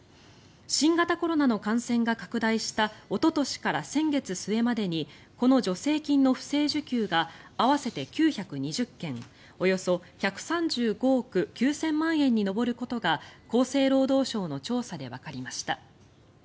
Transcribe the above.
新型コロナの感染が拡大したおととしから先月末までにこの助成金の不正受給が合わせて９２０件およそ１３５億９０００万円に上ることが厚生労働省の調査でわかりました。